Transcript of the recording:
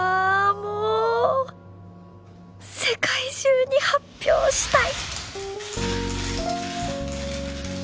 もう世界中に発表したい！